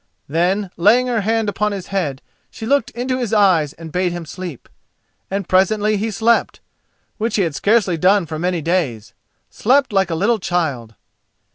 Then, laying her hand upon his head, she looked into his eyes and bade him sleep. And presently he slept—which he had scarcely done for many days—slept like a little child.